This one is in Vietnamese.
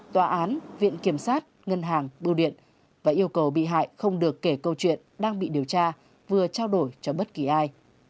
tòa án viện kiểm sát ngân hàng bưu điện và yêu cầu bị hại không được kể câu chuyện đang bị điều tra vừa trao đổi cho bất kỳ ai